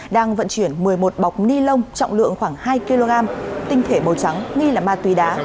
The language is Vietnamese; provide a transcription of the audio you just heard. đang vận chuyển một mươi một bọc ni lông trọng lượng khoảng hai kg tinh thể màu trắng nghi là ma túy đá